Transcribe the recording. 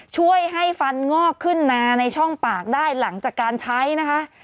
ช่วยให้ฟันงอกขึ้นมาในช่องปากได้หลังจากการใช้นะคะ